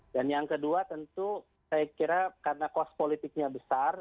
dan yang kedua tentu saya kira karena kos politiknya besar